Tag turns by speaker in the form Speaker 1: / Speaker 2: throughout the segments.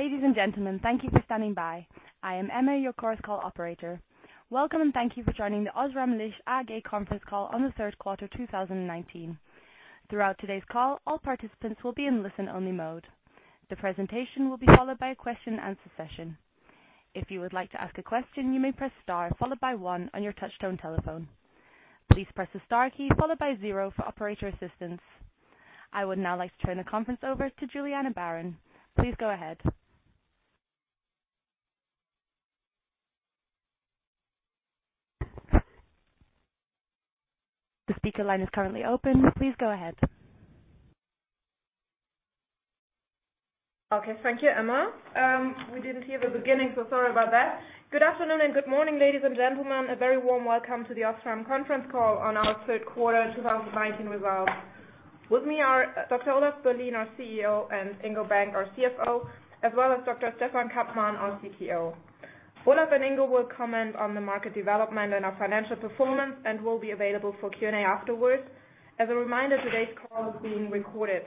Speaker 1: Ladies and gentlemen, thank you for standing by. I am Emma, your Chorus Call operator. Welcome, and thank you for joining the OSRAM Licht AG conference call on the third quarter of 2019. Throughout today's call, all participants will be in listen-only mode. The presentation will be followed by a question and answer session. If you would like to ask a question, you may press star followed by one on your touchtone telephone. Please press the star key followed by zero for operator assistance. I would now like to turn the conference over to Juliana Baron. Please go ahead. The speaker line is currently open. Please go ahead.
Speaker 2: Okay. Thank you, Emma. We didn't hear the beginning, so sorry about that. Good afternoon and good morning, ladies and gentlemen. A very warm welcome to the OSRAM conference call on our third quarter 2019 results. With me are Dr. Olaf Berlien, our CEO, and Ingo Bank, our CFO, as well as Dr. Stefan Kampmann, our CTO. Olaf and Ingo will comment on the market development and our financial performance and will be available for Q&A afterwards. As a reminder, today's call is being recorded.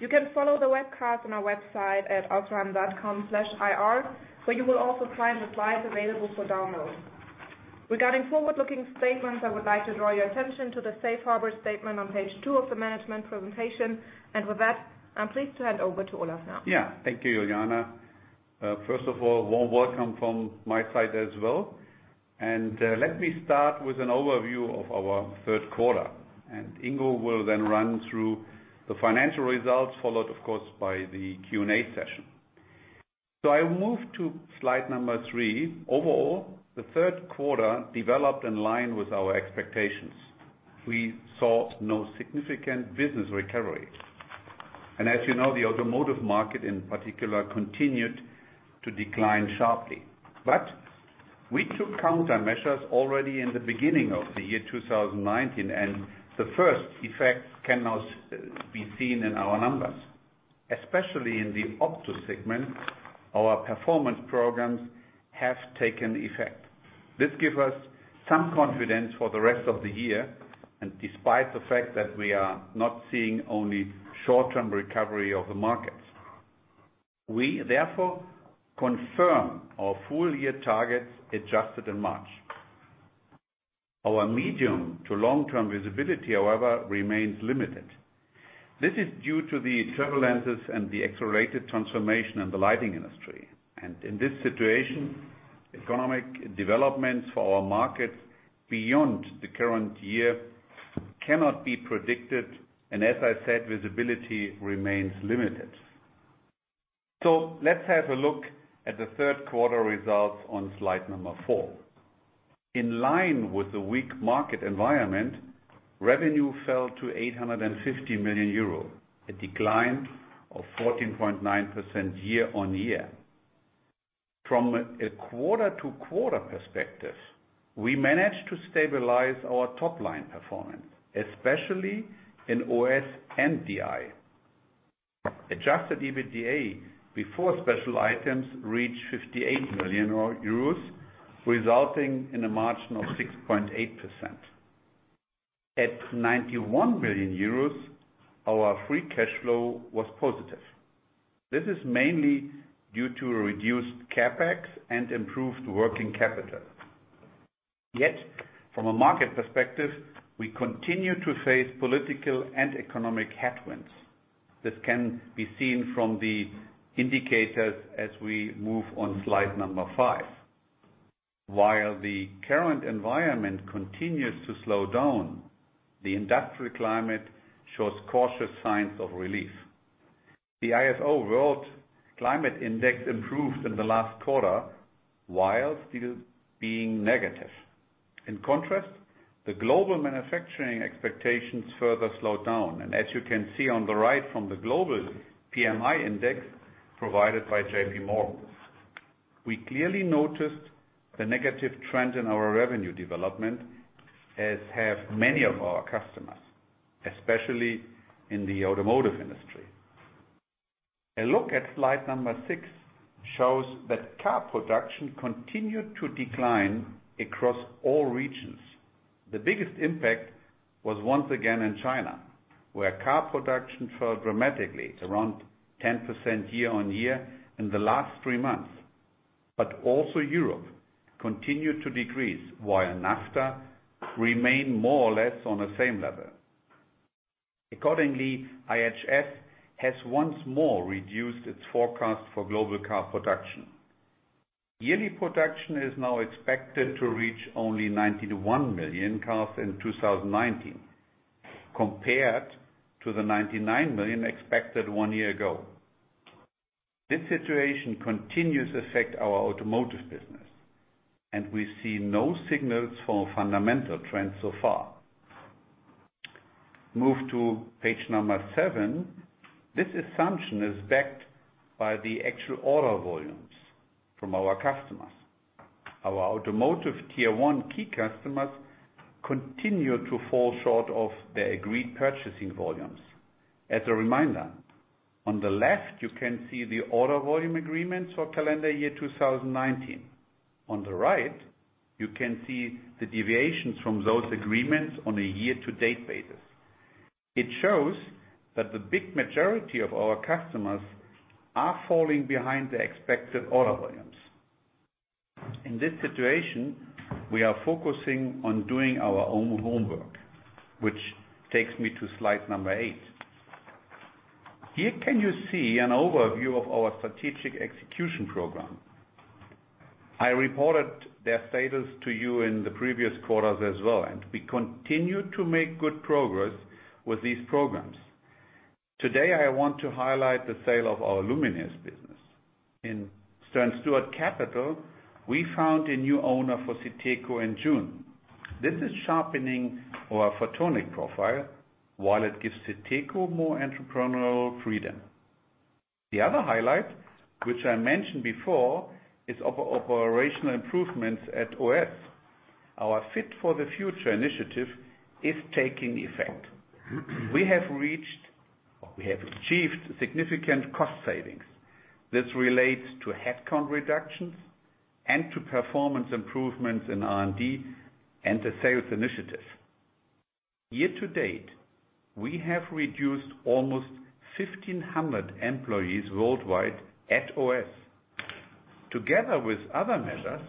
Speaker 2: You can follow the webcast on our website at osram.com/ir, where you will also find the slides available for download. Regarding forward-looking statements, I would like to draw your attention to the safe harbor statement on page two of the management presentation. With that, I'm pleased to hand over to Olaf now.
Speaker 3: Thank you, Juliana. First of all, a warm welcome from my side as well. Let me start with an overview of our third quarter, and Ingo will then run through the financial results, followed of course by the Q&A session. I move to slide number three. Overall, the third quarter developed in line with our expectations. We saw no significant business recovery. As you know, the automotive market, in particular, continued to decline sharply. We took countermeasures already in the beginning of the year 2019, and the first effects can now be seen in our numbers. Especially in the Opto segment, our performance programs have taken effect. This gives us some confidence for the rest of the year and despite the fact that we are not seeing only short-term recovery of the markets. We, therefore, confirm our full-year targets adjusted in March. Our medium to long-term visibility, however, remains limited. This is due to the turbulences and the accelerated transformation in the lighting industry. In this situation, economic developments for our markets beyond the current year cannot be predicted, and as I said, visibility remains limited. Let's have a look at the third quarter results on slide number four. In line with the weak market environment, revenue fell to 850 million euro, a decline of 14.9% year-on-year. From a quarter-to-quarter perspective, we managed to stabilize our top-line performance, especially in OS and DI. Adjusted EBITDA before special items reached 58 million euros, resulting in a margin of 6.8%. At 91 million euros, our free cash flow was positive. This is mainly due to a reduced CapEx and improved working capital. From a market perspective, we continue to face political and economic headwinds. This can be seen from the indicators as we move on slide number five. While the current environment continues to slow down, the industrial climate shows cautious signs of relief. The ifo World Climate Index improved in the last quarter while still being negative. In contrast, the global manufacturing expectations further slowed down, and as you can see on the right from the global PMI index provided by JPMorgan. We clearly noticed the negative trend in our revenue development, as have many of our customers, especially in the automotive industry. A look at slide number six shows that car production continued to decline across all regions. The biggest impact was once again in China, where car production fell dramatically to around 10% year-on-year in the last three months. Also Europe continued to decrease while NAFTA remained more or less on the same level. Accordingly, IHS has once more reduced its forecast for global car production. Yearly production is now expected to reach only 91 million cars in 2019 compared to the 99 million expected one year ago. This situation continues to affect our automotive business. We see no signals for a fundamental trend so far. Move to page number seven. This assumption is backed by the actual order volumes from our customers. Our automotive tier one key customers continue to fall short of their agreed purchasing volumes. As a reminder, on the left, you can see the order volume agreements for calendar year 2019. On the right, you can see the deviations from those agreements on a year-to-date basis. It shows that the big majority of our customers are falling behind their expected order volumes. In this situation, we are focusing on doing our own homework, which takes me to slide number eight. Here can you see an overview of our strategic execution program. I reported their status to you in the previous quarters as well, and we continue to make good progress with these programs. Today, I want to highlight the sale of our Luminus business. In Stern Stewart Capital, we found a new owner for SITECO in June. This is sharpening our photonic profile, while it gives SITECO more entrepreneurial freedom. The other highlight, which I mentioned before, is operational improvements at OS. Our Fit for the Future initiative is taking effect. We have achieved significant cost savings. This relates to headcount reductions and to performance improvements in R&D and the sales initiative. Year to date, we have reduced almost 1,500 employees worldwide at OS. Together with other measures,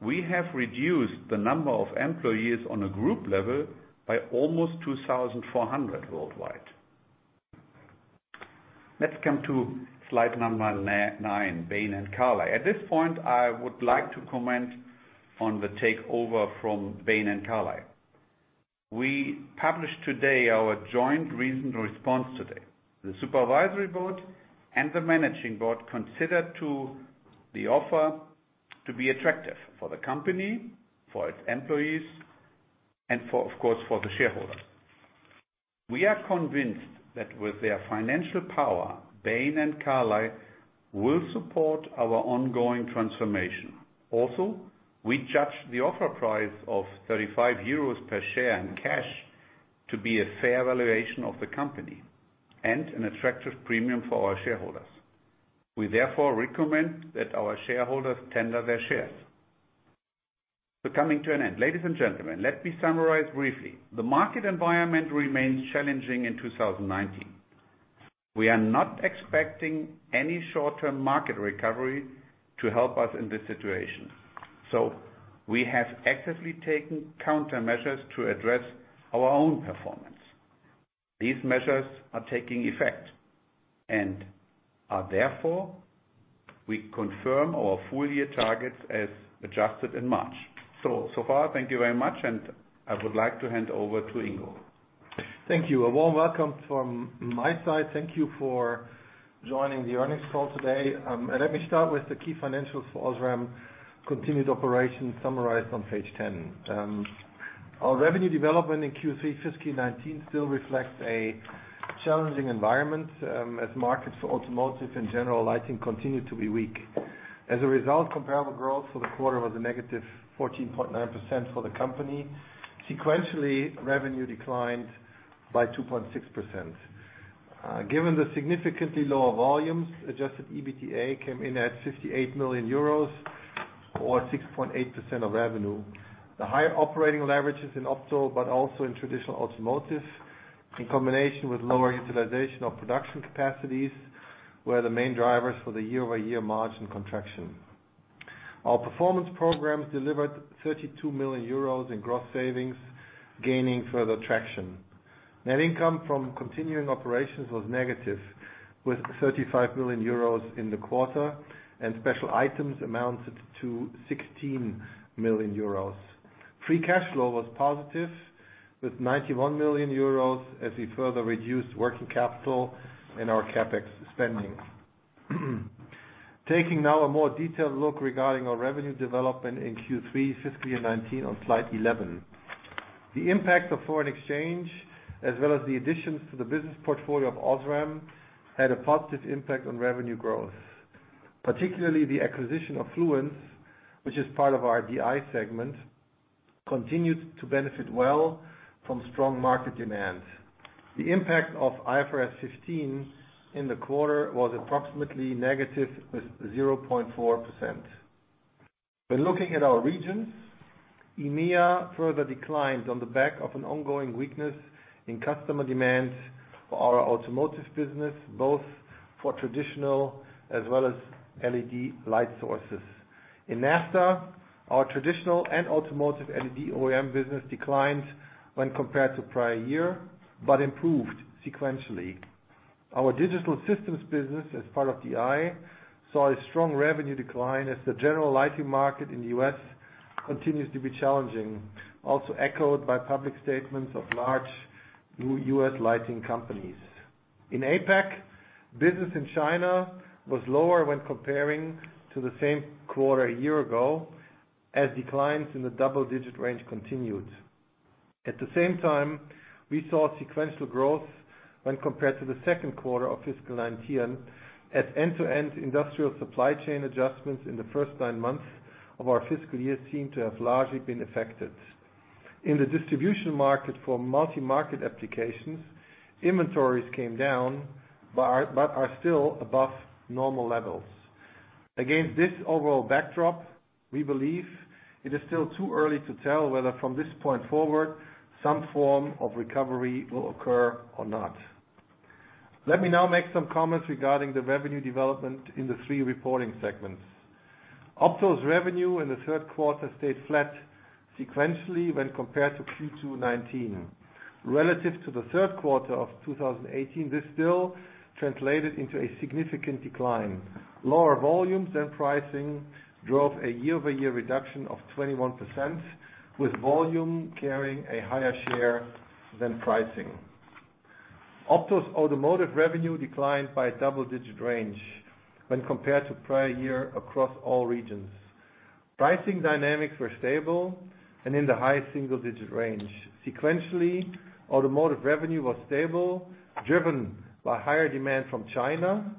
Speaker 3: we have reduced the number of employees on a group level by almost 2,400 worldwide. Let's come to slide number nine, Bain and Carlyle. At this point, I would like to comment on the takeover from Bain and Carlyle. We publish today our joint reasoned response today. The supervisory board and the managing board consider the offer to be attractive for the company, for its employees, and of course, for the shareholders. We are convinced that with their financial power, Bain and Carlyle will support our ongoing transformation. Also, we judge the offer price of 35 euros per share and cash to be a fair valuation of the company, and an attractive premium for our shareholders. We therefore recommend that our shareholders tender their shares. We're coming to an end. Ladies and gentlemen, let me summarize briefly. The market environment remains challenging in 2019. We are not expecting any short-term market recovery to help us in this situation. We have actively taken countermeasures to address our own performance. These measures are taking effect and are therefore, we confirm our full year targets as adjusted in March. So far, thank you very much and I would like to hand over to Ingo.
Speaker 4: Thank you. A warm welcome from my side. Thank you for joining the earnings call today. Let me start with the key financials for OSRAM continued operations summarized on page 10. Our revenue development in Q3 fiscal 2019 still reflects a challenging environment as markets for automotive and general lighting continue to be weak. As a result, comparable growth for the quarter was a -14.9% for the company. Sequentially, revenue declined by 2.6%. Given the significantly lower volumes, adjusted EBITDA came in at 58 million euros or 6.8% of revenue. The higher operating leverages in Opto, but also in traditional automotive, in combination with lower utilization of production capacities, were the main drivers for the year-over-year margin contraction. Our performance programs delivered 32 million euros in gross savings, gaining further traction. Net income from continuing operations was negative with 35 million euros in the quarter, and special items amounted to 16 million euros. Free cash flow was positive with 91 million euros as we further reduced working capital in our CapEx spending. Taking now a more detailed look regarding our revenue development in Q3 fiscal year 2019 on slide 11. The impact of foreign exchange as well as the additions to the business portfolio of OSRAM had a positive impact on revenue growth. Particularly the acquisition of Fluence, which is part of our DI segment, continued to benefit well from strong market demand. The impact of IFRS 15 in the quarter was approximately negative with 0.4%. When looking at our regions, EMEA further declined on the back of an ongoing weakness in customer demand for our automotive business, both for traditional as well as LED light sources. In NAFTA, our traditional and automotive LED OEM business declined when compared to prior year, but improved sequentially. Our Digital Systems business as part of DI, saw a strong revenue decline as the general lighting market in the U.S. continues to be challenging, also echoed by public statements of large new U.S. lighting companies. In APAC, business in China was lower when comparing to the same quarter a year ago, as declines in the double-digit range continued. At the same time, we saw sequential growth when compared to the second quarter of fiscal 2019 as end-to-end industrial supply chain adjustments in the first nine months of our fiscal year seem to have largely been effected. In the distribution market for multi-market applications, inventories came down, but are still above normal levels. Against this overall backdrop, we believe it is still too early to tell whether from this point forward, some form of recovery will occur or not. Let me now make some comments regarding the revenue development in the three reporting segments. Opto's revenue in the third quarter stayed flat sequentially when compared to Q2 2019. Relative to the third quarter of 2018, this still translated into a significant decline. Lower volumes than pricing drove a year-over-year reduction of 21%, with volume carrying a higher share than pricing. Opto's automotive revenue declined by double-digit range when compared to prior year across all regions. Pricing dynamics were stable and in the high single-digit range. Sequentially, automotive revenue was stable, driven by higher demand from China,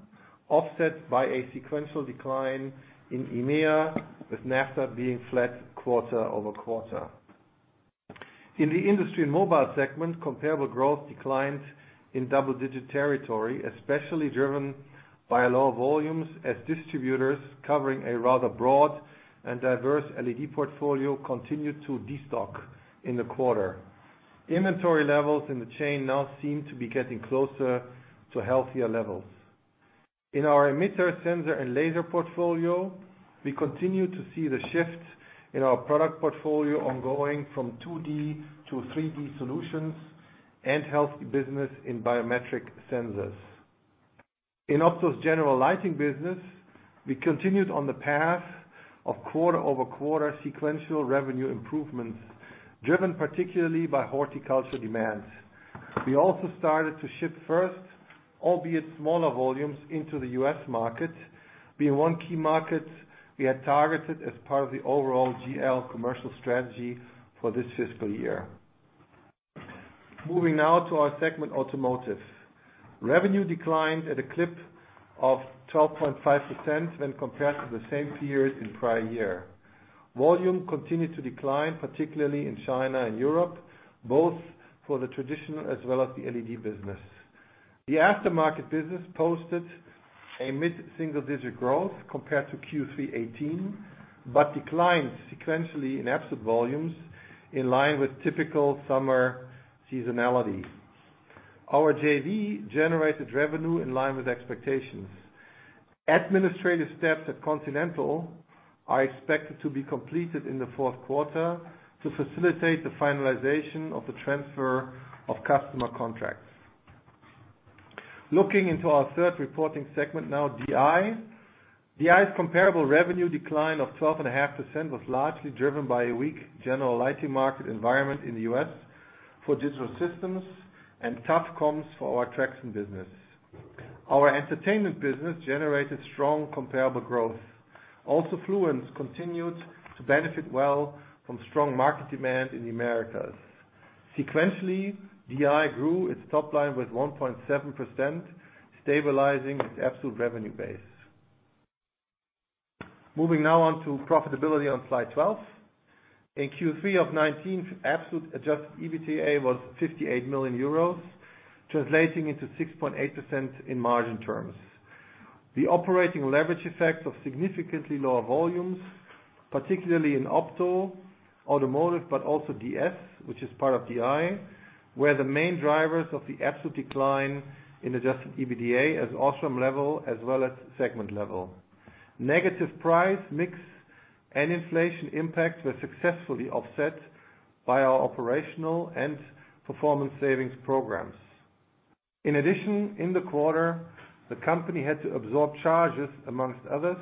Speaker 4: offset by a sequential decline in EMEA, with NAFTA being flat quarter-over-quarter. In the industry mobile segment, comparable growth declined in double-digit territory, especially driven by lower volumes as distributors covering a rather broad and diverse LED portfolio continued to destock in the quarter. Inventory levels in the chain now seem to be getting closer to healthier levels. In our emitter sensor and laser portfolio, we continue to see the shift in our product portfolio ongoing from 2D to 3D solutions and healthy business in biometric sensors. In Opto's general lighting business, we continued on the path of quarter-over-quarter sequential revenue improvements, driven particularly by horticulture demand. We also started to ship first, albeit smaller volumes, into the U.S. market, being one key market we had targeted as part of the overall GL commercial strategy for this fiscal year. Moving now to our segment Automotive. Revenue declined at a clip of 12.5% when compared to the same period in prior year. Volume continued to decline, particularly in China and Europe, both for the traditional as well as the LED business. The aftermarket business posted a mid-single digit growth compared to Q3 2018, but declined sequentially in absolute volumes in line with typical summer seasonality. Our JV generated revenue in line with expectations. Administrative steps at Continental are expected to be completed in the fourth quarter to facilitate the finalization of the transfer of customer contracts. Looking into our third reporting segment now, DI. DI's comparable revenue decline of 12.5% was largely driven by a weak general lighting market environment in the U.S. for digital systems and tough comps for our traction business. Our entertainment business generated strong comparable growth. Also Fluence continued to benefit well from strong market demand in the Americas. Sequentially, DI grew its top line with 1.7%, stabilizing its absolute revenue base. Moving now on to profitability on slide 12. In Q3 of 2019, absolute adjusted EBITDA was 58 million euros, translating into 6.8% in margin terms. The operating leverage effect of significantly lower volumes, particularly in Opto, Automotive, but also DS, which is part of DI, were the main drivers of the absolute decline in adjusted EBITDA at OSRAM level as well as segment level. Negative price mix and inflation impact were successfully offset by our operational and performance savings programs. In addition, in the quarter, the company had to absorb charges, amongst others,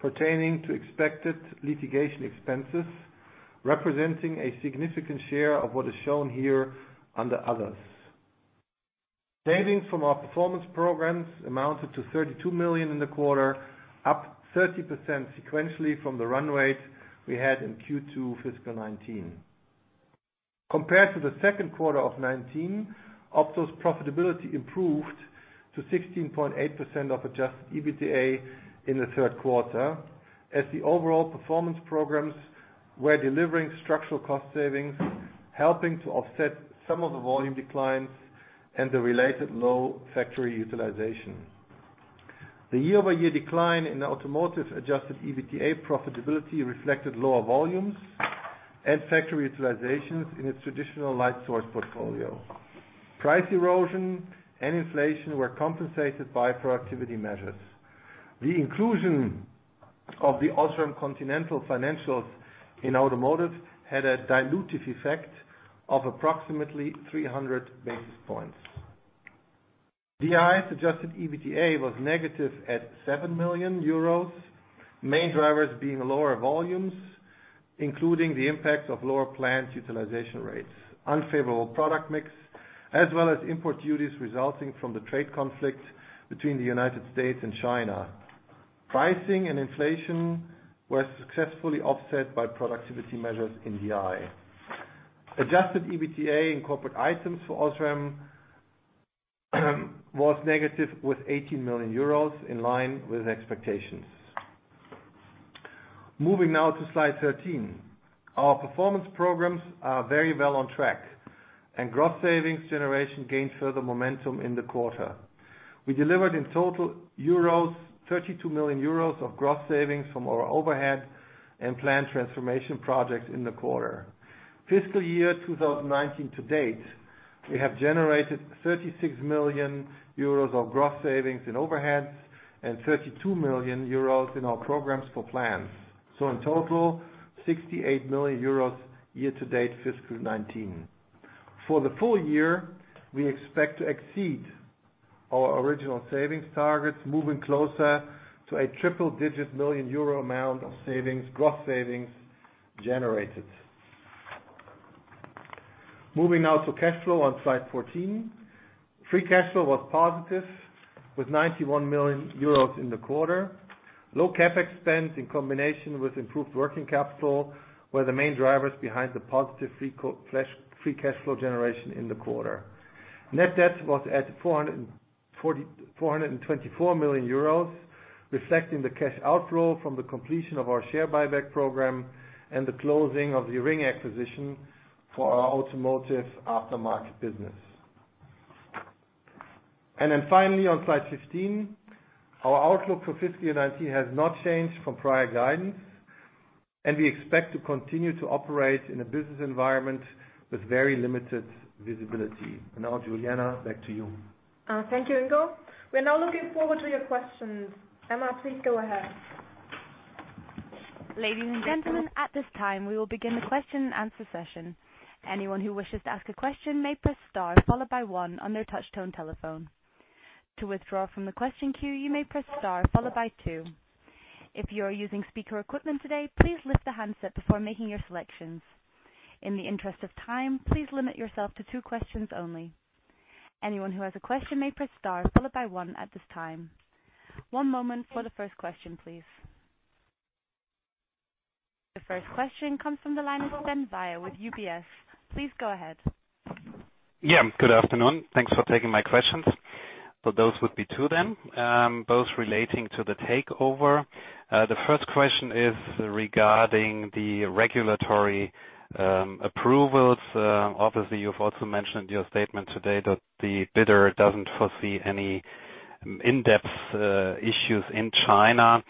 Speaker 4: pertaining to expected litigation expenses, representing a significant share of what is shown here under others. Savings from our performance programs amounted to 32 million in the quarter, up 30% sequentially from the run rate we had in Q2 fiscal 2019. Compared to the second quarter of 2019, Opto's profitability improved to 16.8% of adjusted EBITDA in the third quarter as the overall performance programs were delivering structural cost savings, helping to offset some of the volume declines and the related low factory utilization. The year-over-year decline in the Automotive adjusted EBITDA profitability reflected lower volumes and factory utilizations in its traditional light source portfolio. Price erosion and inflation were compensated by productivity measures. The inclusion of the OSRAM Continental financials in Automotive had a dilutive effect of approximately 300 basis points. DI's adjusted EBITDA was negative at 7 million euros, main drivers being lower volumes, including the impact of lower plant utilization rates, unfavorable product mix, as well as import duties resulting from the trade conflict between the United States and China. Pricing and inflation were successfully offset by productivity measures in DI. Adjusted EBITDA in corporate items for OSRAM was negative with 18 million euros, in line with expectations. Moving now to slide 13. Our performance programs are very well on track, and gross savings generation gained further momentum in the quarter. We delivered in total 32 million euros of gross savings from our overhead and plant transformation projects in the quarter. Fiscal year 2019 to date, we have generated 36 million euros of gross savings in overheads and 32 million euros in our programs for plants. In total, 68 million euros year to date fiscal 2019. For the full year, we expect to exceed our original savings targets, moving closer to a triple-digit million euro amount of gross savings generated. Moving now to cash flow on slide 14. Free cash flow was positive with 91 million euros in the quarter. Low CapEx spend in combination with improved working capital were the main drivers behind the positive free cash flow generation in the quarter. Net debt was at 424 million euros, reflecting the cash outflow from the completion of our share buyback program and the closing of the Ring acquisition for our Automotive aftermarket business. Finally on slide 15, our outlook for fiscal 2019 has not changed from prior guidance, and we expect to continue to operate in a business environment with very limited visibility. Now, Juliana, back to you.
Speaker 2: Thank you, Ingo. We are now looking forward to your questions. Emma, please go ahead.
Speaker 1: Ladies and gentlemen, at this time, we will begin the question and answer session. Anyone who wishes to ask a question may press star followed by one on their touch tone telephone. To withdraw from the question queue, you may press star followed by two. If you are using speaker equipment today, please lift the handset before making your selections. In the interest of time, please limit yourself to two questions only. Anyone who has a question may press star followed by one at this time. One moment for the first question, please. The first question comes from the line of Sven Weier with UBS. Please go ahead.
Speaker 5: Yeah, good afternoon. Thanks for taking my questions. Those would be two then, both relating to the takeover. The first question is regarding the regulatory approvals. Obviously, you've also mentioned your statement today that the bidder doesn't foresee any in-depth issues in China,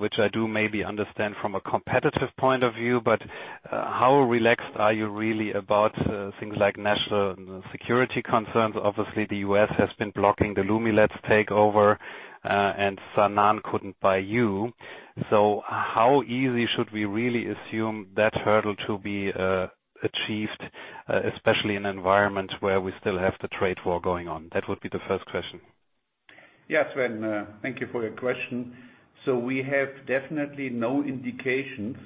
Speaker 5: which I do maybe understand from a competitive point of view, but how relaxed are you really about things like national security concerns? Obviously, the U.S. has been blocking the Lumileds takeover, and Sanan couldn't buy you. How easy should we really assume that hurdle to be achieved, especially in an environment where we still have the trade war going on? That would be the first question.
Speaker 3: Yes, Sven, thank you for your question. We have definitely no indications,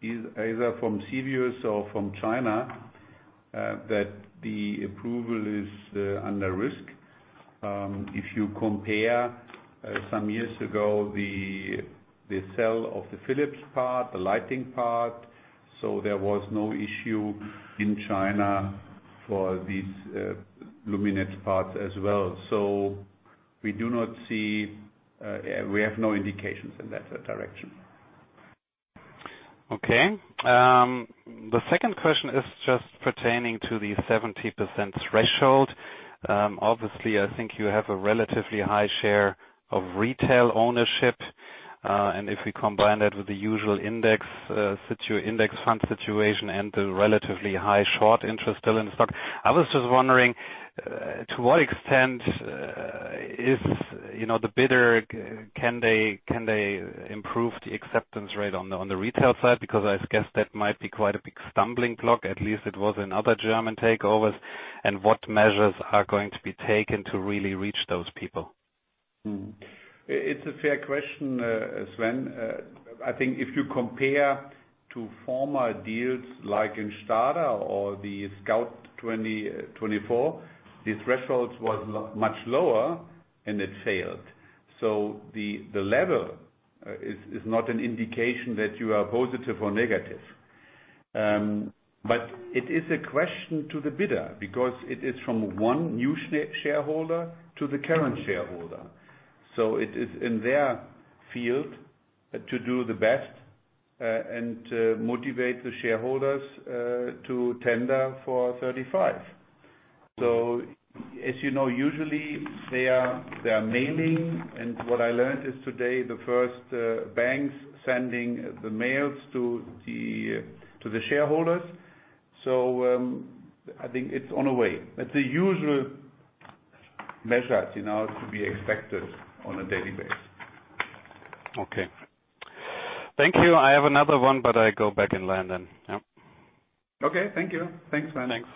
Speaker 3: either from CFIUS or from China, that the approval is under risk. If you compare some years ago the sale of the Philips part, the lighting part, there was no issue in China for these Lumileds parts as well. We have no indications in that direction.
Speaker 5: Okay. The second question is just pertaining to the 70% threshold. Obviously, I think you have a relatively high share of retail ownership. If we combine that with the usual index fund situation and the relatively high short interest still in stock, I was just wondering to what extent if the bidder, can they improve the acceptance rate on the retail side? Because I guess that might be quite a big stumbling block, at least it was in other German takeovers. What measures are going to be taken to really reach those people?
Speaker 3: It's a fair question, Sven. I think if you compare to former deals like in STADA or the Scout24, the threshold was much lower and it failed. The level is not an indication that you are positive or negative. It is a question to the bidder because it is from one new shareholder to the current shareholder. It is in their field to do the best and to motivate the shareholders to tender for 35. As you know, usually they are mailing, and what I learned is today the first banks sending the mails to the shareholders. I think it's on a way. It's a usual measure to be expected on a daily basis.
Speaker 5: Okay. Thank you. I have another one, but I go back in line then. Yep.
Speaker 3: Okay. Thank you. Thanks, Sven.
Speaker 5: Thanks.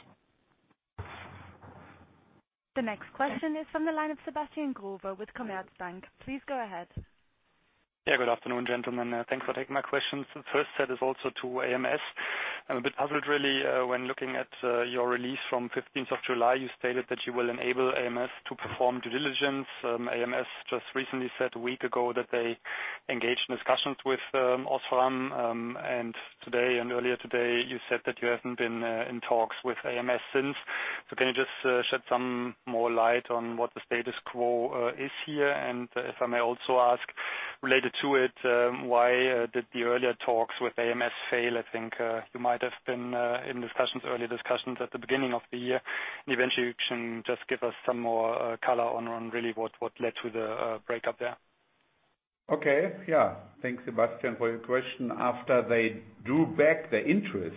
Speaker 1: The next question is from the line of Sebastian Growe with Commerzbank. Please go ahead.
Speaker 6: Yeah, good afternoon, gentlemen. Thanks for taking my questions. The first set is also to ams. I'm a bit puzzled really when looking at your release from 15th of July, you stated that you will enable ams to perform due diligence. ams just recently said a week ago that they engaged in discussions with OSRAM, and earlier today you said that you haven't been in talks with ams since. Can you just shed some more light on what the status quo is here? If I may also ask, related to it, why did the earlier talks with ams fail? I think you might have been in early discussions at the beginning of the year. Eventually, can you just give us some more color on really what led to the breakup there?
Speaker 3: Okay. Yeah. Thanks, Sebastian, for your question. After they drew back their interest,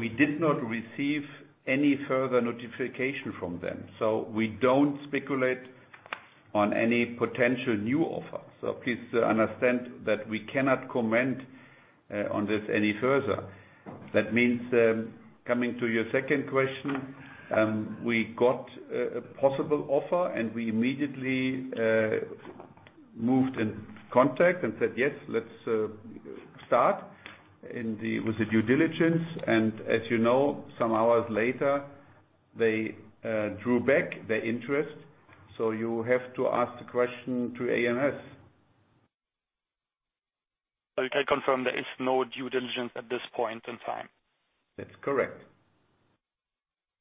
Speaker 3: we did not receive any further notification from them. We don't speculate on any potential new offer. Please understand that we cannot comment on this any further. That means, coming to your second question, we got a possible offer, and we immediately moved in contact and said, "Yes, let's start with the due diligence." As you know, some hours later they drew back their interest. You have to ask the question to ams.
Speaker 6: You can confirm there is no due diligence at this point in time?
Speaker 3: That's correct.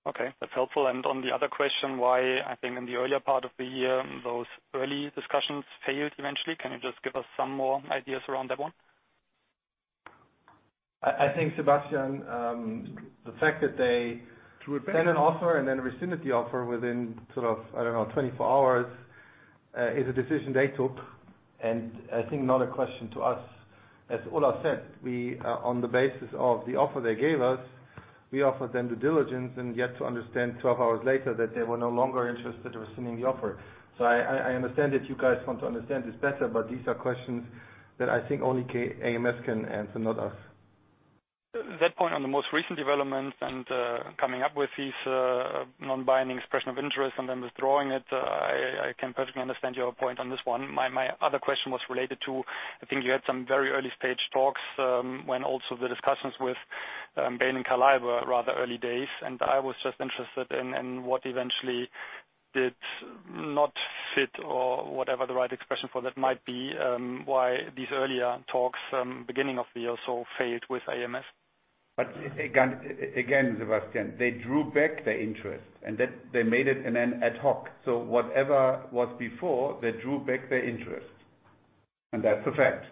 Speaker 6: Okay. That is helpful. On the other question, why I think in the earlier part of the year, those early discussions failed eventually. Can you just give us some more ideas around that one?
Speaker 4: I think, Sebastian, the fact that they drew back an offer then rescinded the offer within sort of, I don't know, 24 hours, is a decision they took, not a question to us. As Olaf said, on the basis of the offer they gave us, we offered them due diligence and yet to understand 12 hours later that they were no longer interested in rescinding the offer. I understand that you guys want to understand this better, but these are questions that I think only ams can answer, not us.
Speaker 6: That point on the most recent developments and coming up with these non-binding expression of interest and then withdrawing it, I can perfectly understand your point on this one. My other question was related to, I think you had some very early-stage talks, when also the discussions with Bain and Carlyle were rather early days, and I was just interested in what eventually did not fit or whatever the right expression for that might be, why these earlier talks beginning of the year so failed with ams.
Speaker 3: Again, Sebastian, they drew back their interest, and they made it an ad hoc. Whatever was before, they drew back their interest. That's a fact.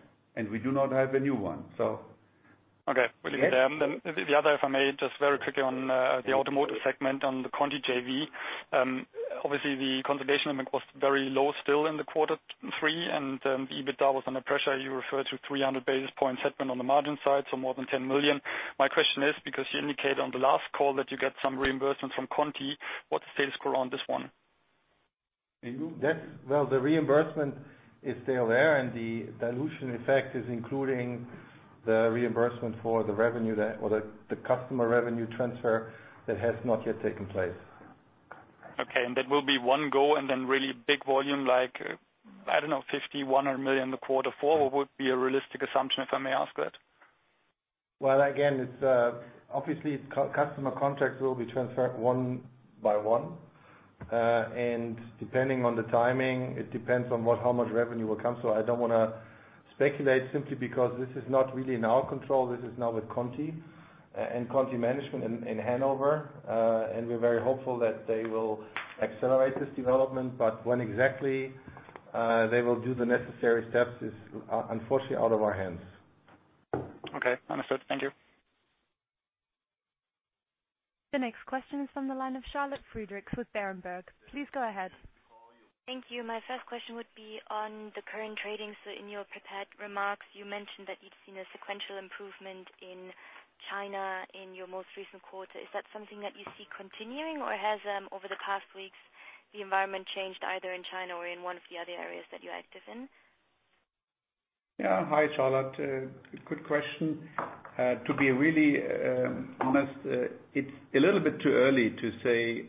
Speaker 3: We do not have a new one.
Speaker 6: Okay. The other, if I may, just very quickly on the Automotive segment, on the Conti JV. Obviously, the consolidation was very low still in the quarter three, and EBITDA was under pressure. You referred to 300 basis points headwind on the margin side, so more than 10 million. My question is, because you indicated on the last call that you get some reimbursement from Conti, what's the status quo on this one?
Speaker 4: Well, the reimbursement is still there, and the dilution effect is including the reimbursement for the revenue or the customer revenue transfer that has not yet taken place.
Speaker 6: Okay. That will be one go and then really big volume like, I don't know, [51 million] in the quarter four? What would be a realistic assumption, if I may ask that?
Speaker 4: Well, again, obviously customer contracts will be transferred one by one. Depending on the timing, it depends on how much revenue will come. I don't want to speculate simply because this is not really in our control. This is now with Conti and Conti management in Hannover. We're very hopeful that they will accelerate this development. When exactly they will do the necessary steps is unfortunately out of our hands.
Speaker 6: Okay. Understood. Thank you.
Speaker 1: The next question is from the line of Charlotte Friedrichs with Berenberg. Please go ahead.
Speaker 7: Thank you. My first question would be on the current trading. In your prepared remarks, you mentioned that you'd seen a sequential improvement in China in your most recent quarter. Is that something that you see continuing, or has over the past weeks the environment changed either in China or in one of the other areas that you're active in?
Speaker 3: Yeah. Hi, Charlotte. Good question. To be really honest, it's a little bit too early to say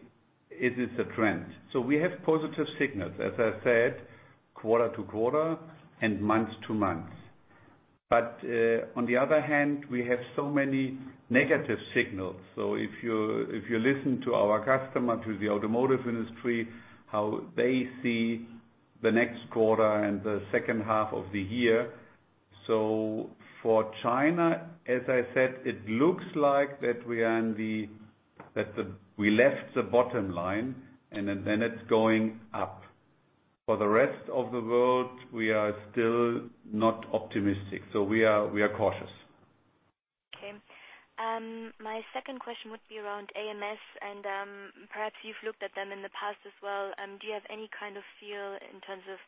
Speaker 3: this is a trend. We have positive signals, as I said, quarter-to-quarter and month-to-month. On the other hand, we have so many negative signals. If you listen to our customer, to the automotive industry, how they see the next quarter and the second half of the year. For China, as I said, it looks like that we left the bottom line, and then it's going up. For the rest of the world, we are still not optimistic. We are cautious.
Speaker 7: Okay. My second question would be around ams, and perhaps you've looked at them in the past as well. Do you have any kind of feel in terms of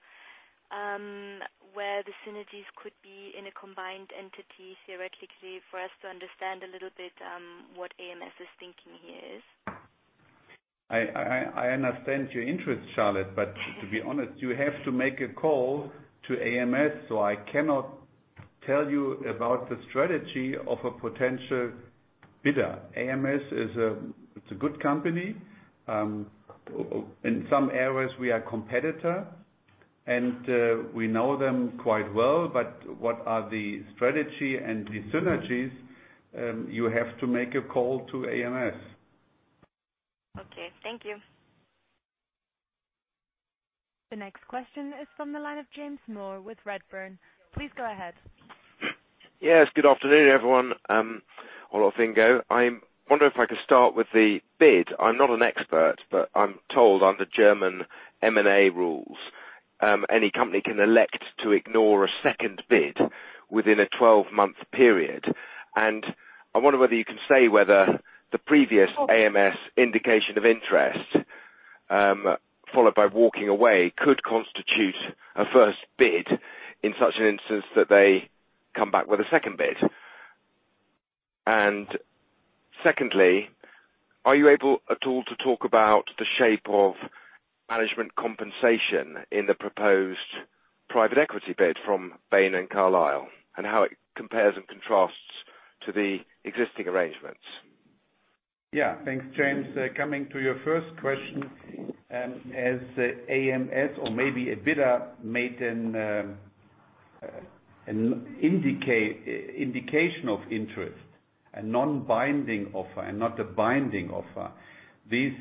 Speaker 7: where the synergies could be in a combined entity theoretically for us to understand a little bit, what ams is thinking here is?
Speaker 3: I understand your interest, Charlotte, but to be honest, you have to make a call to ams, so I cannot tell you about the strategy of a potential bidder. ams is a good company. In some areas, we are competitor, and we know them quite well, but what are the strategy and the synergies? You have to make a call to ams.
Speaker 7: Okay. Thank you.
Speaker 1: The next question is from the line of James Moore with Redburn. Please go ahead.
Speaker 8: Yes. Good afternoon, everyone, Olaf, Ingo. I wonder if I could start with the bid. I'm not an expert, but I'm told under German M&A rules, any company can elect to ignore a second bid within a 12-month period. I wonder whether you can say whether the previous ams indication of interest, followed by walking away, could constitute a first bid in such an instance that they come back with a second bid. Secondly, are you able at all to talk about the shape of management compensation in the proposed private equity bid from Bain and Carlyle, and how it compares and contrasts to the existing arrangements?
Speaker 3: Thanks, James. Coming to your first question, as ams or maybe a bidder made an indication of interest, a non-binding offer and not a binding offer. This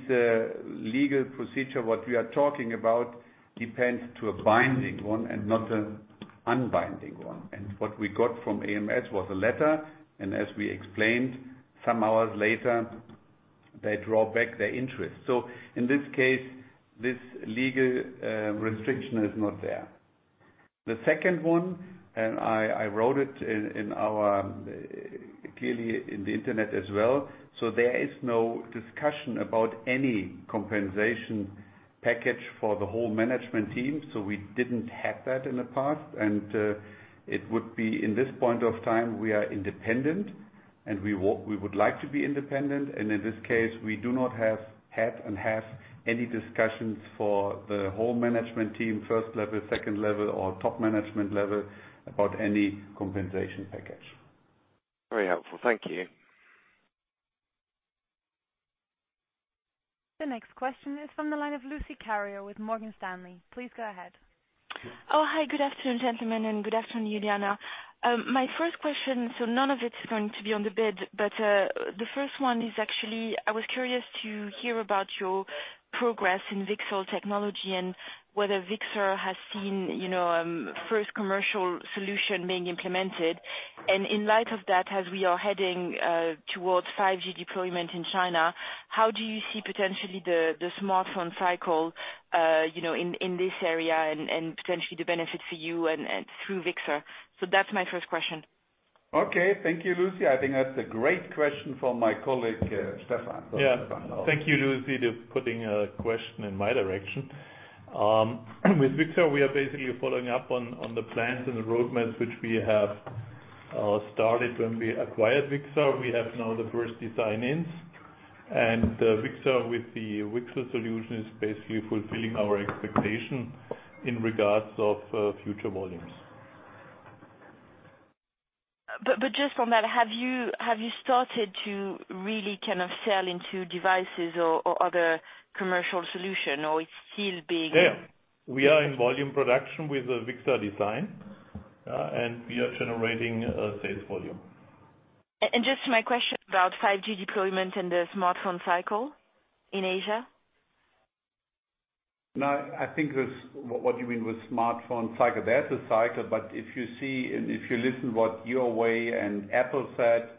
Speaker 3: legal procedure, what we are talking about, depends to a binding one and not an unbinding one. What we got from ams was a letter, and as we explained some hours later, they draw back their interest. In this case, this legal restriction is not there. The second one, and I wrote it clearly in the internet as well. There is no discussion about any compensation package for the whole management team, so we didn't have that in the past. It would be in this point of time, we are independent and we would like to be independent. In this case, we do not have had and have any discussions for the whole management team, first level, second level, or top management level about any compensation package.
Speaker 8: Very helpful. Thank you.
Speaker 1: The next question is from the line of Lucie Carrier with Morgan Stanley. Please go ahead.
Speaker 9: Oh, hi. Good afternoon, gentlemen, and good afternoon, Juliana. My first question, so none of it's going to be on the bid, but the first one is actually, I was curious to hear about your progress in VCSEL technology and whether Vixar has seen first commercial solution being implemented. In light of that, as we are heading towards 5G deployment in China, how do you see potentially the smartphone cycle in this area and potentially the benefit for you and through Vixar? That's my first question.
Speaker 3: Okay. Thank you, Lucie. I think that's a great question for my colleague, Stefan. Stefan.
Speaker 10: Thank you, Lucie, to putting a question in my direction. With Vixar, we are basically following up on the plans and the roadmaps which we have started when we acquired Vixar. We have now the first design ins, and Vixar with the Vixar solution is basically fulfilling our expectation in regards of future volumes.
Speaker 9: Just on that, have you started to really kind of sell into devices or other commercial solution, or it's still big?
Speaker 10: We are in volume production with the Vixar design, and we are generating sales volume.
Speaker 9: Just my question about 5G deployment and the smartphone cycle in Asia?
Speaker 3: I think what you mean with smartphone cycle, that's a cycle. If you listen what Huawei and Apple said,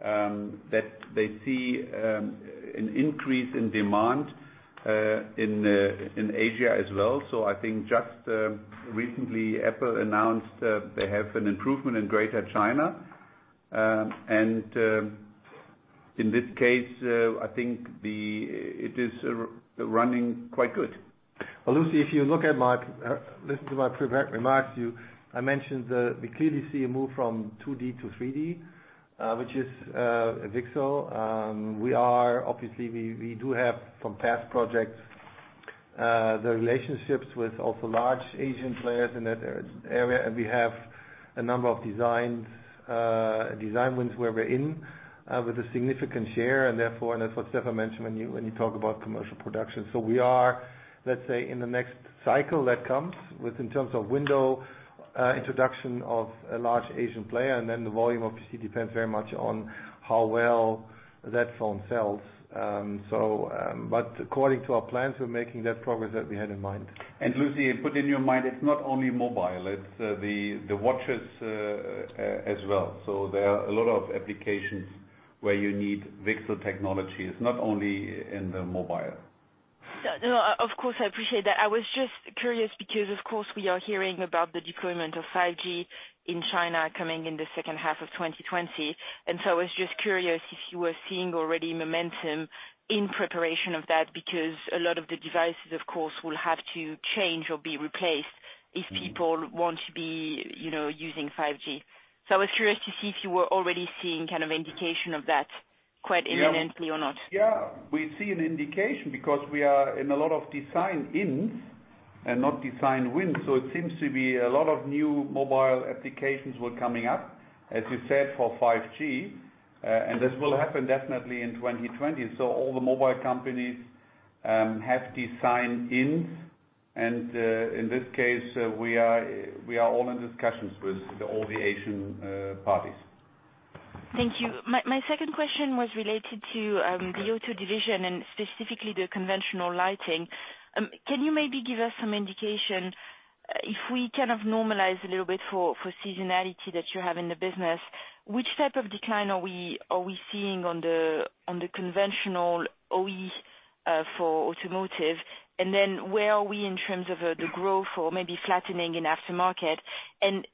Speaker 3: that they see an increase in demand in Asia as well. I think just recently Apple announced they have an improvement in Greater China. In this case, I think it is running quite good.
Speaker 4: Lucie, if you listen to my prepared remarks, I mentioned we clearly see a move from 2D to 3D, which is VCSEL. Obviously we do have from past projects, the relationships with also large Asian players in that area. We have a number of design wins where we're in with a significant share, and that's what Stefan mentioned when you talk about commercial production. We are, let's say, in the next cycle that comes with in terms of window introduction of a large Asian player, and then the volume obviously depends very much on how well that phone sells. According to our plans, we're making that progress that we had in mind.
Speaker 3: Lucie, put in your mind, it's not only mobile, it's the watches as well. There are a lot of applications where you need VCSEL technology. It's not only in the mobile.
Speaker 9: No, of course, I appreciate that. I was just curious because, of course, we are hearing about the deployment of 5G in China coming in the second half of 2020. I was just curious if you were seeing already momentum in preparation of that, because a lot of the devices, of course, will have to change or be replaced if people want to be using 5G. I was curious to see if you were already seeing indication of that quite imminently or not.
Speaker 3: Yeah. We see an indication because we are in a lot of design-ins and not design wins. It seems to be a lot of new mobile applications were coming up, as you said, for 5G. This will happen definitely in 2020. All the mobile companies have design-ins, and in this case, we are all in discussions with all the Asian parties.
Speaker 9: Thank you. My second question was related to the auto division and specifically the conventional lighting. Can you maybe give us some indication if we normalize a little bit for seasonality that you have in the business, which type of decline are we seeing on the conventional OE for automotive, and then where are we in terms of the growth or maybe flattening in aftermarket?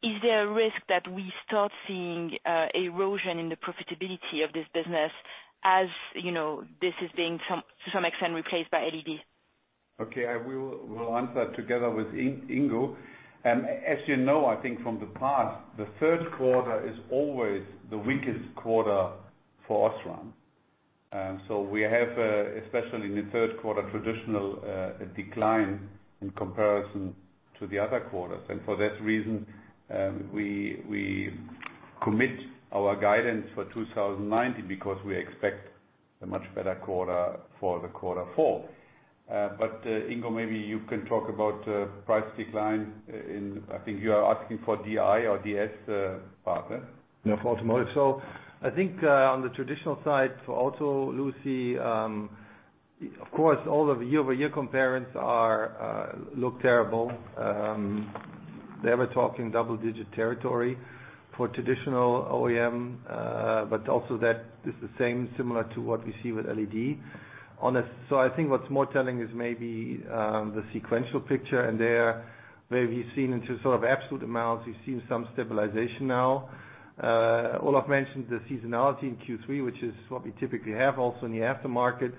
Speaker 9: Is there a risk that we start seeing erosion in the profitability of this business as this is being to some extent replaced by LED?
Speaker 3: Okay. I will answer that together with Ingo. As you know, I think from the past, the third quarter is always the weakest quarter for OSRAM. We have, especially in the third quarter, traditional decline in comparison to the other quarters. For that reason, we commit our guidance for 2019 because we expect a much better quarter for the quarter four. Ingo, maybe you can talk about price decline in, I think you are asking for DI or DS part, right?
Speaker 4: For automotive, I think on the traditional side for auto, Lucie, of course, all of the year-over-year comparisons look terrible. They were talking double-digit territory for traditional OEM, but also that is the same, similar to what we see with LED. I think what's more telling is maybe the sequential picture, and there where we've seen into sort of absolute amounts, we've seen some stabilization now. Olaf mentioned the seasonality in Q3, which is what we typically have also in the aftermarket.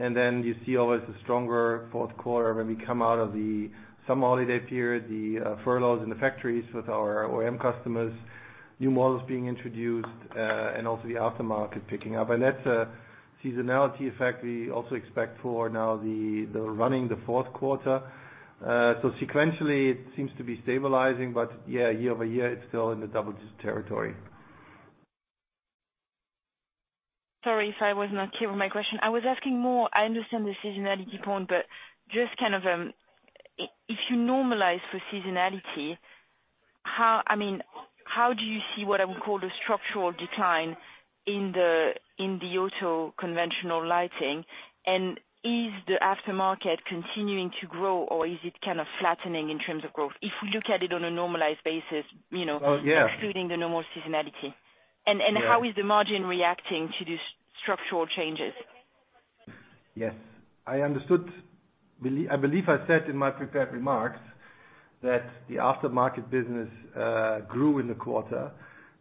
Speaker 4: You see always a stronger fourth quarter when we come out of the summer holiday period, the furloughs in the factories with our OEM customers, new models being introduced, and also the aftermarket picking up. That's a seasonality effect we also expect for now the running the fourth quarter. Sequentially, it seems to be stabilizing, but yeah, year-over-year, it's still in the double digit territory.
Speaker 9: Sorry if I was not clear with my question. I was asking more, I understand the seasonality point, but just if you normalize for seasonality, how do you see what I would call the structural decline in the auto conventional lighting? Is the aftermarket continuing to grow or is it flattening in terms of growth if we look at it on a normalized basis excluding the normal seasonality?
Speaker 4: Yeah.
Speaker 9: How is the margin reacting to these structural changes?
Speaker 4: Yes. I understood. I believe I said in my prepared remarks that the aftermarket business grew in the quarter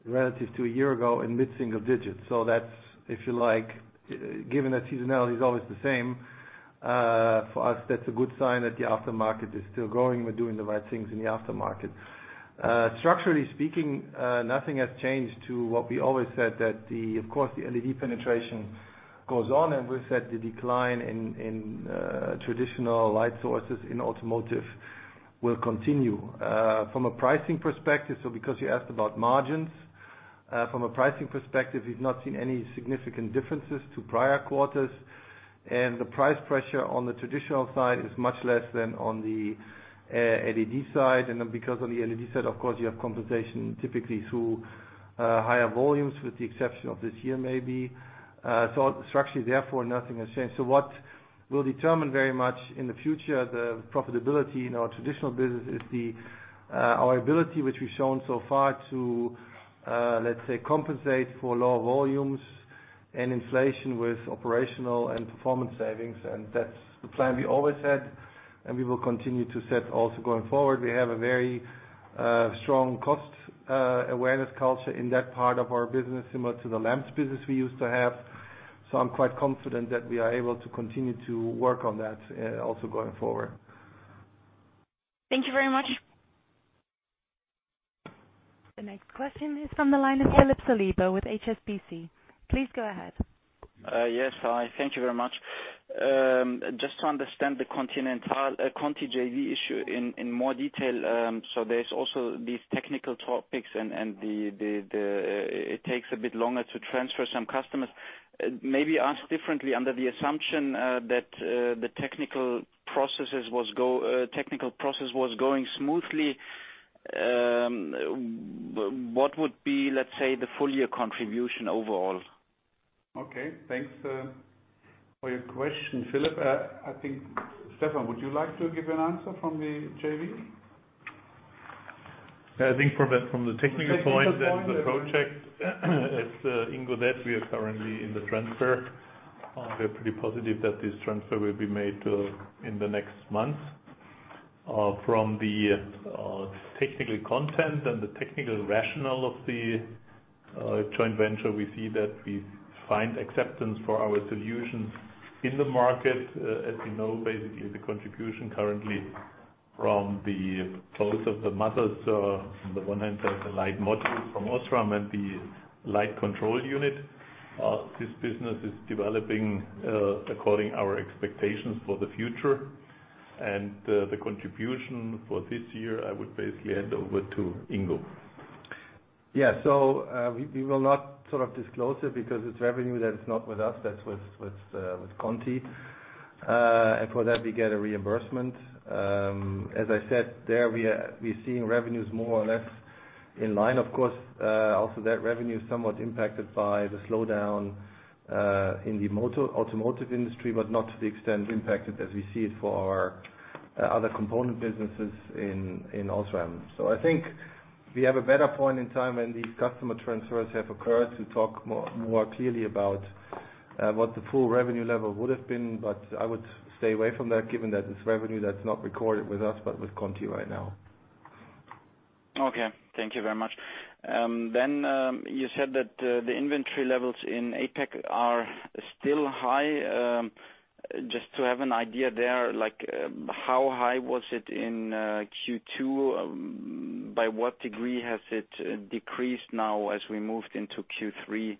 Speaker 4: relative to a year ago in mid-single digits. That's, if you like, given that seasonality is always the same, for us, that's a good sign that the aftermarket is still growing. We're doing the right things in the aftermarket. Structurally speaking, nothing has changed to what we always said that, of course, the LED penetration goes on, and we've said the decline in traditional light sources in automotive will continue. From a pricing perspective, so because you asked about margins, from a pricing perspective, we've not seen any significant differences to prior quarters, and the price pressure on the traditional side is much less than on the LED side. Because of the LED side, of course, you have compensation typically through higher volumes, with the exception of this year maybe. Structurally, therefore, nothing has changed. What will determine very much in the future the profitability in our traditional business is our ability, which we've shown so far to, let's say, compensate for lower volumes and inflation with operational and performance savings, and that's the plan we always had, and we will continue to set also going forward. We have a very strong cost awareness culture in that part of our business, similar to the lamps business we used to have. I'm quite confident that we are able to continue to work on that also going forward.
Speaker 9: Thank you very much.
Speaker 1: The next question is from the line of Philip Saliba with HSBC. Please go ahead.
Speaker 11: Yes. Hi, thank you very much. Just to understand the Conti JV issue in more detail. There's also these technical topics and it takes a bit longer to transfer some customers. Maybe asked differently, under the assumption that the technical process was going smoothly, what would be the full year contribution overall?
Speaker 3: Okay. Thanks for your question, Philip. I think, Stefan, would you like to give an answer from the JV?
Speaker 10: I think from the technical point that the project, as Ingo said, we are currently in the transfer. We are pretty positive that this transfer will be made in the next month. From the technical content and the technical rationale of the joint venture, we see that we find acceptance for our solutions in the market. As you know, basically the contribution currently from both of the models. On the one hand, there is the light module from OSRAM and the light control unit. This business is developing according our expectations for the future. The contribution for this year, I would basically hand over to Ingo.
Speaker 4: Yeah. We will not disclose it because it's revenue that is not with us, that's with Conti. For that, we get a reimbursement. As I said, there we're seeing revenues more or less in line, of course. That revenue is somewhat impacted by the slowdown in the automotive industry, but not to the extent impacted as we see it for our other component businesses in OSRAM. I think we have a better point in time when these customer transfers have occurred to talk more clearly about what the full revenue level would've been, but I would stay away from that, given that it's revenue that's not recorded with us, but with Conti right now.
Speaker 11: Okay. Thank you very much. You said that the inventory levels in APAC are still high. Just to have an idea there, how high was it in Q2? By what degree has it decreased now as we moved into Q3?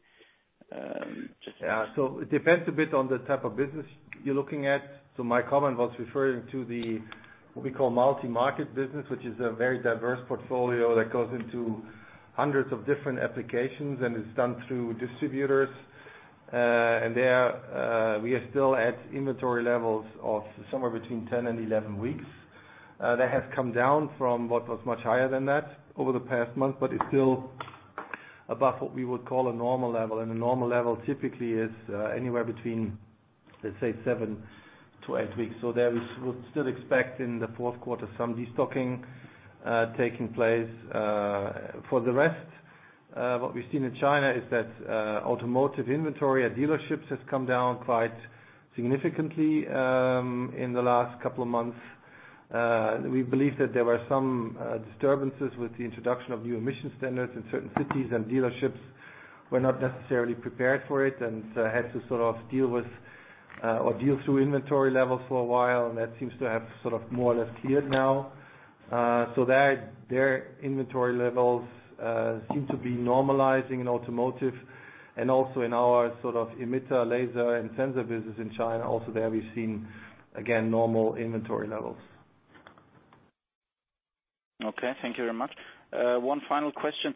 Speaker 4: It depends a bit on the type of business you're looking at. My comment was referring to the, what we call multi-market business, which is a very diverse portfolio that goes into hundreds of different applications and is done through distributors. There we are still at inventory levels of somewhere between 10 and 11 weeks. That has come down from what was much higher than that over the past month, but it's still above what we would call a normal level. A normal level typically is anywhere between, let's say, seven to eight weeks. There we would still expect in the fourth quarter some de-stocking taking place. For the rest, what we've seen in China is that automotive inventory at dealerships has come down quite significantly in the last couple of months. We believe that there were some disturbances with the introduction of new emission standards in certain cities and dealerships were not necessarily prepared for it and had to sort of deal through inventory levels for a while and that seems to have sort of more or less cleared now. Their inventory levels seem to be normalizing in automotive and also in our sort of emitter laser and sensor business in China also there we've seen, again, normal inventory levels.
Speaker 11: Okay. Thank you very much. One final question.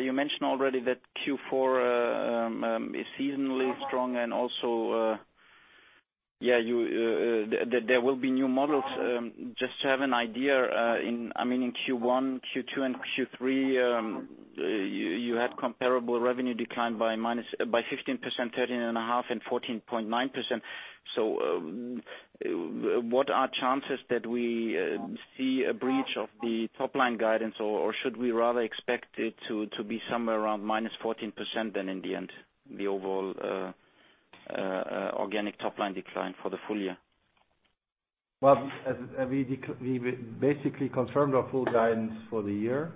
Speaker 11: You mentioned already that Q4 is seasonally strong and also there will be new models. Just to have an idea, I mean, in Q1, Q2 and Q3, you had comparable revenue decline by 15%, 13.5% and 14.9%. What are chances that we see a breach of the top-line guidance? Should we rather expect it to be somewhere around -14% then in the end, the overall organic top-line decline for the full year?
Speaker 4: Well, we basically confirmed our full guidance for the year.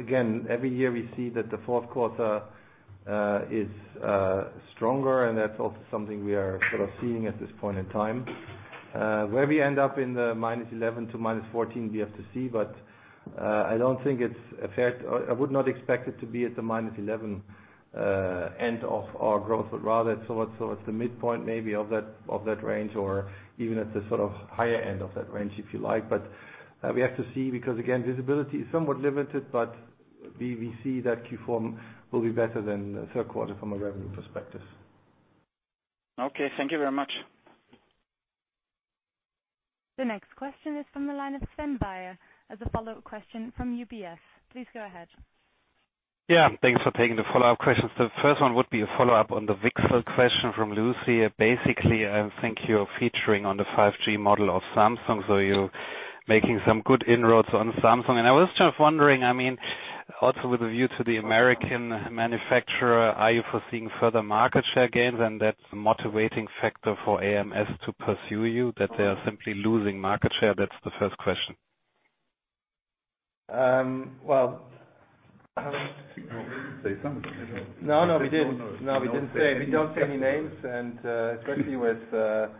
Speaker 4: Again, every year we see that the fourth quarter is stronger and that's also something we are sort of seeing at this point in time. Where we end up in the -11% to -14%, we have to see. I would not expect it to be at the -11% end of our growth, but rather sort of the midpoint maybe of that range or even at the sort of higher end of that range, if you like. We have to see because again, visibility is somewhat limited, but we see that Q4 will be better than the third quarter from a revenue perspective.
Speaker 11: Okay. Thank you very much.
Speaker 1: The next question is from the line of Sven Weier as a follow-up question from UBS. Please go ahead.
Speaker 5: Yeah. Thanks for taking the follow-up questions. The first one would be a follow-up on the VCSEL question from Lucie. Basically, I think you're featuring on the 5G model of Samsung. You're making some good inroads on Samsung. I was just wondering, I mean, also with a view to the American manufacturer, are you foreseeing further market share gains and that motivating factor for ams to pursue you that they are simply losing market share? That's the first question.
Speaker 3: Say something.
Speaker 4: No, we didn't. No, we don't say any names. Especially with the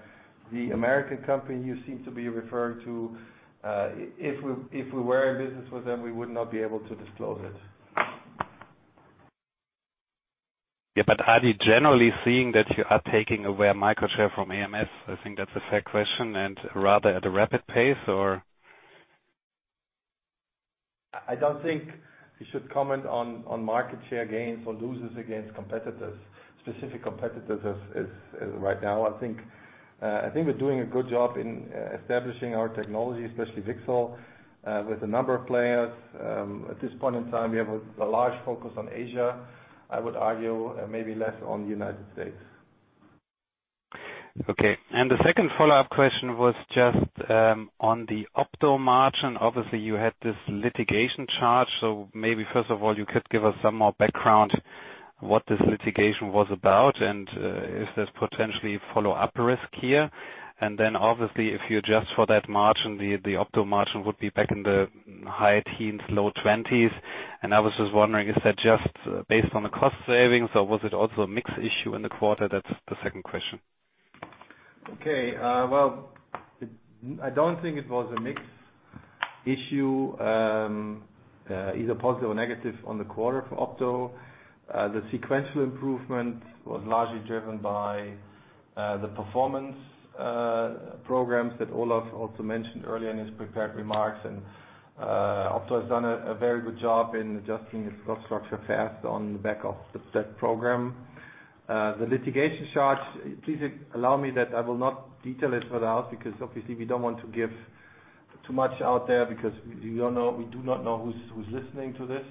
Speaker 4: American company you seem to be referring to, if we were in business with them, we would not be able to disclose it.
Speaker 5: Yeah, but are you generally seeing that you are taking away market share from ams? I think that's a fair question and rather at a rapid pace?
Speaker 4: I don't think we should comment on market share gains or losses against competitors, specific competitors right now. I think we're doing a good job in establishing our technology, especially VCSEL, with a number of players. At this point in time, we have a large focus on Asia. I would argue maybe less on the United States.
Speaker 5: Okay. The second follow-up question was just on the Opto margin. You had this litigation charge, so maybe first of all you could give us some more background what this litigation was about and is there potentially follow-up risk here? Obviously, if you adjust for that margin, the Opto margin would be back in the high teens, low 20s. I was just wondering, is that just based on the cost savings or was it also a mix issue in the quarter? That's the second question.
Speaker 4: Okay. Well, I don't think it was a mix issue, either positive or negative on the quarter for Opto. The sequential improvement was largely driven by the performance programs that Olaf also mentioned earlier in his prepared remarks. Opto has done a very good job in adjusting its cost structure fast on the back of that program. The litigation charge, please allow me that I will not detail it further out because obviously we don't want to give too much out there because we do not know who's listening to this.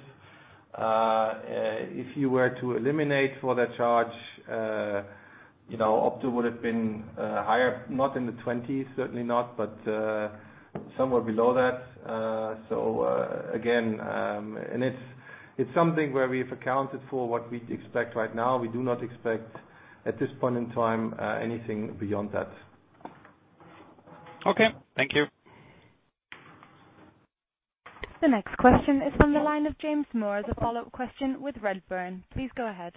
Speaker 4: If you were to eliminate for that charge, Opto would've been higher, not in the 20s, certainly not, but somewhere below that. Again, it's something where we've accounted for what we expect right now. We do not expect, at this point in time, anything beyond that.
Speaker 5: Okay. Thank you.
Speaker 1: The next question is from the line of James Moore as a follow-up question with Redburn. Please go ahead.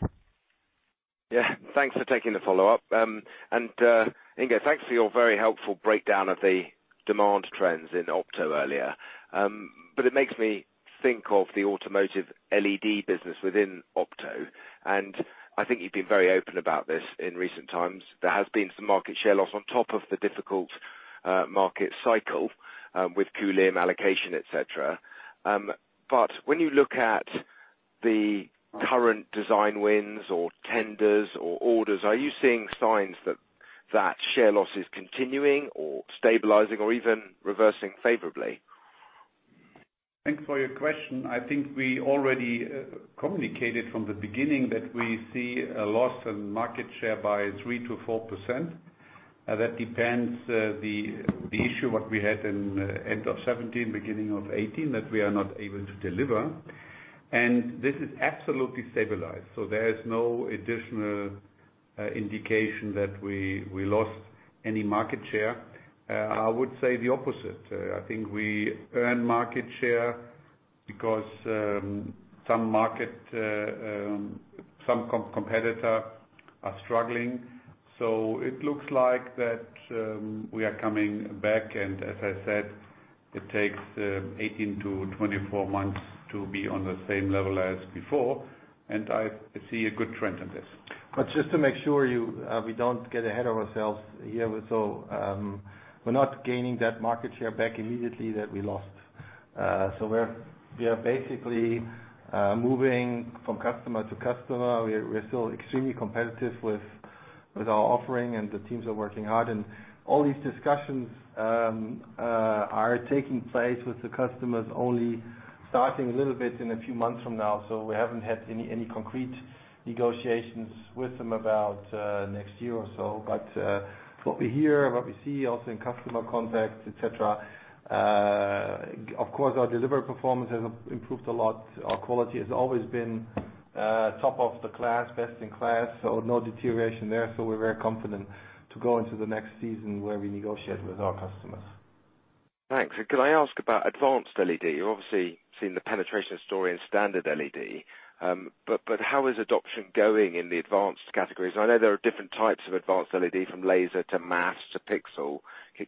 Speaker 8: Yeah. Thanks for taking the follow-up. Ingo, thanks for your very helpful breakdown of the demand trends in Opto earlier. It makes me think of the automotive LED business within Opto, and I think you've been very open about this in recent times. There has been some market share loss on top of the difficult market cycle, with Kulim allocation, et cetera. When you look at the current design wins or tenders or orders, are you seeing signs that that share loss is continuing or stabilizing or even reversing favorably?
Speaker 3: Thanks for your question. I think we already communicated from the beginning that we see a loss in market share by 3%-4%. That depends, the issue what we had in end of 2017, beginning of 2018, that we are not able to deliver. This is absolutely stabilized. There is no additional indication that we lost any market share. I would say the opposite. I think we earn market share because some competitor are struggling. It looks like that we are coming back, and as I said, it takes 18-24 months to be on the same level as before, and I see a good trend in this.
Speaker 4: Just to make sure we don't get ahead of ourselves here. We're not gaining that market share back immediately that we lost. We are basically moving from customer to customer. We're still extremely competitive with our offering, and the teams are working hard, and all these discussions are taking place with the customers, only starting a little bit in a few months from now. We haven't had any concrete negotiations with them about next year or so. What we hear, what we see also in customer contacts, et cetera, of course our delivery performance has improved a lot. Our quality has always been top of the class, best in class, so no deterioration there. We're very confident to go into the next season where we negotiate with our customers.
Speaker 8: Thanks. Could I ask about advanced LED? You've obviously seen the penetration story in standard LED. How is adoption going in the advanced categories? I know there are different types of advanced LED, from laser to mask to pixel.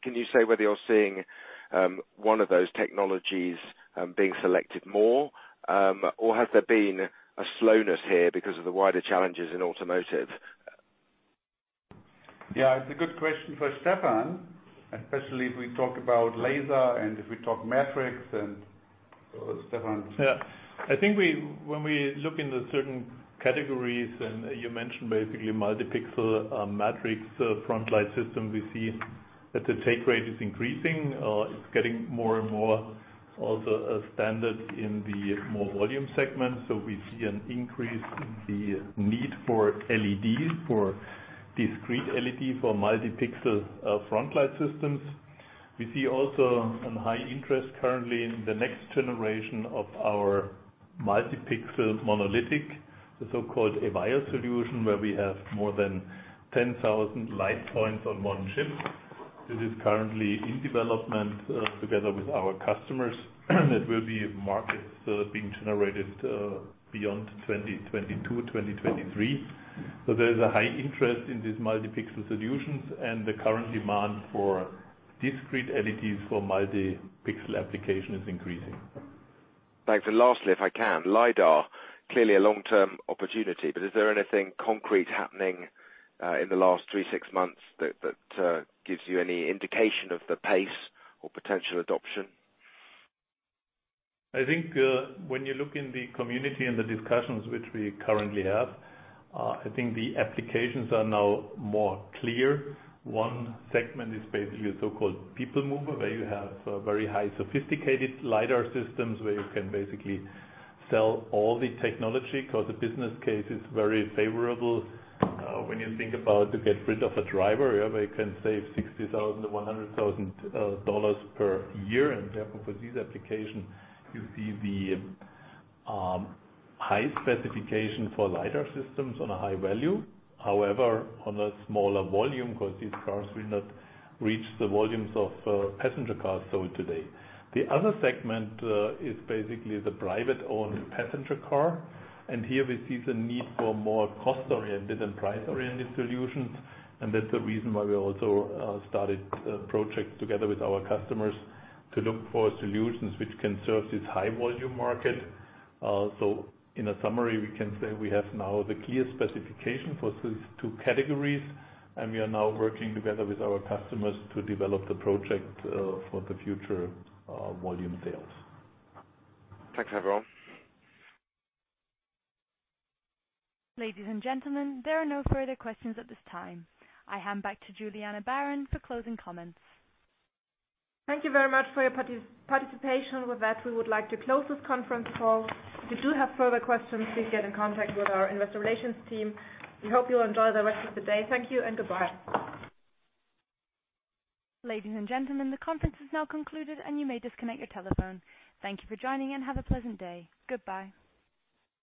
Speaker 8: Can you say whether you're seeing one of those technologies being selected more, or has there been a slowness here because of the wider challenges in automotive?
Speaker 3: Yeah, it's a good question for Stefan, especially if we talk about laser and if we talk matrix. Stefan.
Speaker 10: I think when we look in the certain categories, you mentioned basically multi-pixel matrix front light system, we see that the take rate is increasing. It's getting more and more also a standard in the more volume segment. We see an increase in the need for LEDs, for discrete LED, for multi-pixel front light systems. We see also a high interest currently in the next generation of our multi-pixel monolithic, the so-called EVIYOS solution, where we have more than 10,000 light points on one chip. It is currently in development together with our customers. It will be market being generated beyond 2022, 2023. There's a high interest in these multi-pixel solutions and the current demand for discrete LEDs for multi-pixel application is increasing.
Speaker 8: Thanks. Lastly, if I can, LiDAR, clearly a long-term opportunity, but is there anything concrete happening in the last three, six months that gives you any indication of the pace or potential adoption?
Speaker 10: I think when you look in the community and the discussions which we currently have, I think the applications are now more clear. One segment is basically a so-called people mover, where you have very high sophisticated LiDAR systems where you can basically sell all the technology because the business case is very favorable. When you think about to get rid of a driver, where you can save EUR 60,000-EUR 100,000 per year. Therefore, for these applications, you see the high specification for LiDAR systems on a high value. However, on a smaller volume, because these cars will not reach the volumes of passenger cars sold today. The other segment is basically the private-owned passenger car. Here we see the need for more cost-oriented and price-oriented solutions. That's the reason why we also started a project together with our customers to look for solutions which can serve this high volume market. In a summary, we can say we have now the clear specification for these two categories, and we are now working together with our customers to develop the project for the future volume sales.
Speaker 8: Thanks, everyone.
Speaker 1: Ladies and gentlemen, there are no further questions at this time. I hand back to Juliana Baron for closing comments.
Speaker 2: Thank you very much for your participation. With that, we would like to close this conference call. If you do have further questions, please get in contact with our investor relations team. We hope you will enjoy the rest of the day. Thank you and goodbye.
Speaker 1: Ladies and gentlemen, the conference is now concluded and you may disconnect your telephone. Thank you for joining and have a pleasant day. Goodbye.